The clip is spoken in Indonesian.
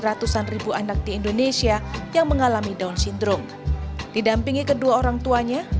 ratusan ribu anak di indonesia yang mengalami down syndrome didampingi kedua orang tuanya